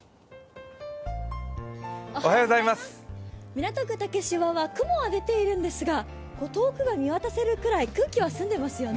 港区竹芝は雲は出ているんですが、遠くが見渡せるぐらい空気が澄んでいますよね。